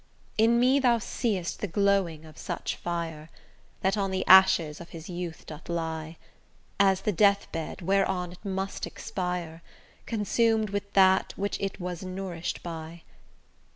In me thou see'st the glowing of such fire, That on the ashes of his youth doth lie, As the death bed, whereon it must expire, Consum'd with that which it was nourish'd by.